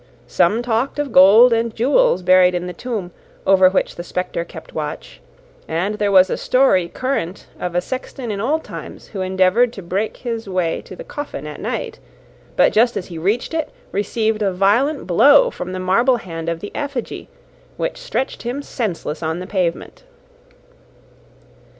Some talked of gold and jewels buried in the tomb, over which the spectre kept watch; and there was a story current of a sexton in old times who endeavoured to break his way to the coffin at night; but just as he reached it, received a violent blow from the marble hand of the effigy, which stretched him senseless on the pavement.